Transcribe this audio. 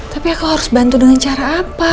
tapi aku harus bantu dengan cara apa